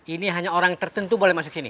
ini hanya orang tertentu boleh masuk sini